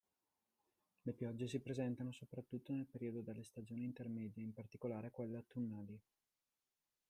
Le piogge si presentano soprattutto nel periodo delle stagioni intermedie in particolare quelle autunnali.